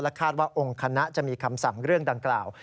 คาดว่าองค์คณะจะมีคำสั่งเรื่องดังกล่าว